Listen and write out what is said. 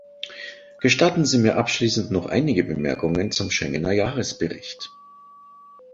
Gestatten Sie mir abschließend noch einige Bemerkungen zum Schengener Jahresbericht.